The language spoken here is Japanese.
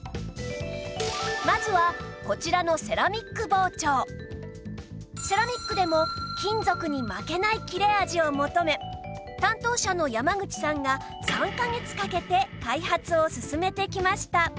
まずはこちらのセラミックでも金属に負けない切れ味を求め担当者の山口さんが３カ月かけて開発を進めてきました